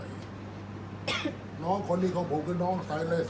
อันไหนที่มันไม่จริงแล้วอาจารย์อยากพูด